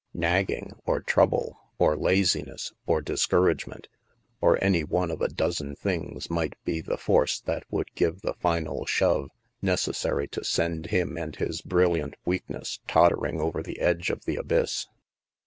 Nagging, or trouble, or laziness, or discouragement, or any one of a dozen things might be the force that would give the final shove necessary to send him and his brilliant weak ness tottering over the edge of the abyss.